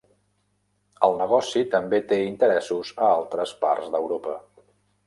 El negoci també té interessos a altres parts d'Europa.